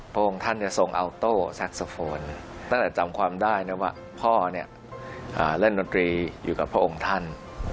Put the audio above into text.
พ่อองค์ท่านที่ทรงอัลโต้แซ็กซาโฟนตั้งแต่จำความได้ว่าพ่อเล่นนตรีอยู่กับพ่อองค์ท่าน